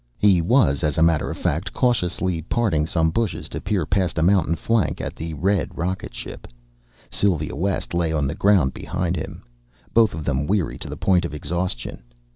He was, as a matter of fact, cautiously parting some bushes to peer past a mountain flank at the red rocket ship. Sylva West lay on the ground behind him. Both of them weary to the point of exhaustion.